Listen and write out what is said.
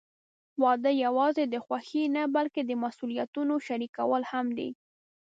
واده یوازې د خوښۍ نه، بلکې د مسوولیتونو شریکول هم دي.